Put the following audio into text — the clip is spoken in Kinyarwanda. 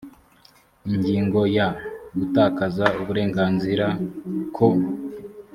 ingingo ya gutakaza uburenganzira kwo